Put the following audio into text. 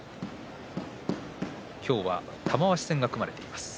今日は玉鷲戦が組まれています。